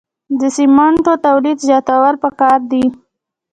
د سمنټو تولید زیاتول پکار دي